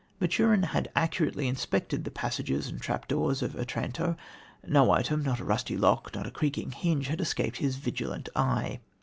Maturin had accurately inspected the passages and trap doors of Otranto. No item, not a rusty lock, not a creaking hinge, had escaped his vigilant eye.